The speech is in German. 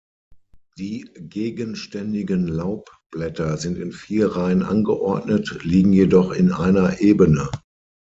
Die gegenständigen Laubblätter sind in vier Reihen angeordnet, liegen jedoch in einer Ebene.